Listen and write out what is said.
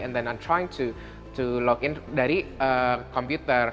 saya mencoba login dari komputer